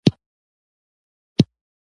دا وږمې ولې په رسۍ زندۍ کوې همیشه؟